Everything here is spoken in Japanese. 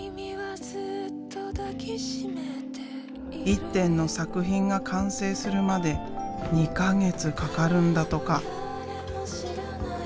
１点の作品が完成するまで２か月かかるんだとか。